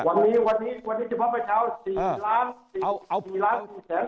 วันนี้วันนี้เฉพาะเมื่อเช้า๔๔ล้าง